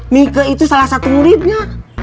nike itu salah satu muridnya